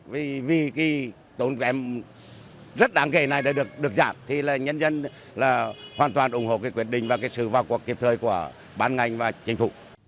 vì tổ chức này rất đáng kể này đã được giảm thì nhân dân hoàn toàn ủng hộ quyết định và sự vào cuộc kiếp thời của bán ngành và chính phủ